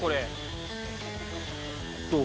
どう？